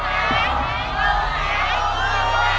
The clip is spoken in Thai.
เจ้าชายศิษฐะทรงพนวทที่ริมฝั่งแม่น้ำใด